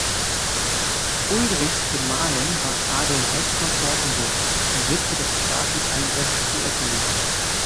Ulrichs Gemahlin war Adelheid von Ortenburg, die Witwe des Grafen Albrecht zu Oettingen.